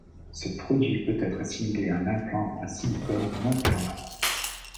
Ce produit peut être assimilé à un implant en silicone non permanent.